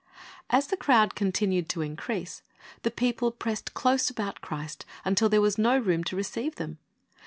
As the crowd continued to increase, the people pressed close about Christ until there was no room to receive them.